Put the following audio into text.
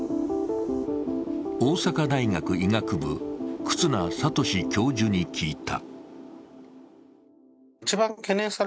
大阪大学医学部、忽那賢志教授に聞いた。